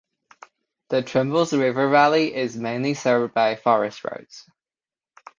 The Trembles river valley is mainly served by forest roads.